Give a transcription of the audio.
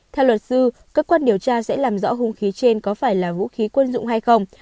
theo luật sư cơ quan điều tra sẽ làm rõ hung khí trên có phải là vũ khí quân dụng hay không